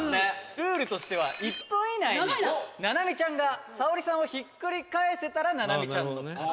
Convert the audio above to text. ルールとしては１分以内に七名海ちゃんが沙保里さんをひっくり返せたら七名海ちゃんの勝ち」